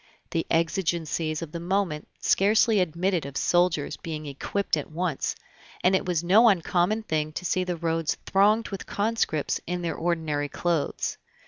The exigencies of the moment scarcely admitted of soldiers being equipped at once, and it was no uncommon thing to see the roads thronged with conscripts in their ordinary clothes.